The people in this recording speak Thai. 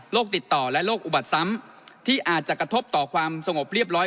ติดต่อและโรคอุบัติซ้ำที่อาจจะกระทบต่อความสงบเรียบร้อย